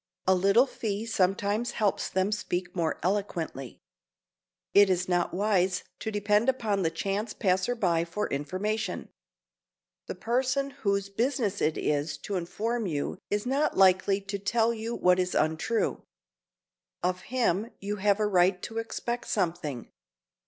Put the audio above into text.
A little fee sometimes helps them speak more eloquently. It is not wise to depend upon the chance passer by for information. The person whose business it is to inform you is not likely to tell you what is untrue. Of him you have a right to expect something.